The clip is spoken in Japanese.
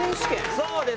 そうです